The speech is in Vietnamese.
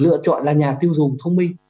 lựa chọn là nhà tiêu dùng thông minh